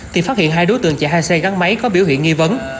thì phát hiện hai đối tượng chạy hai xe gắn máy có biểu hiện nghi vấn